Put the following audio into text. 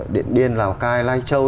điện điên lào cai lai châu